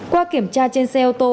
qua kiểm tra trên xe ô tô